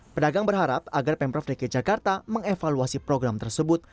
pedagang berharap agar pemprov dki jakarta mengevaluasi program tersebut